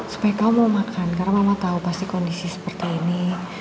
supaya kamu mau makan karena mama tahu pasti kondisi seperti ini